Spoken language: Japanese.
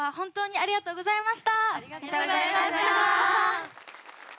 ありがとうございます。